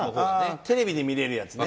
テレビで見れるやつね。